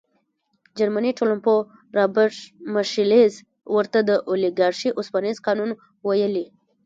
جرمني ټولنپوه رابرټ میشلز ورته د اولیګارشۍ اوسپنیز قانون ویلي.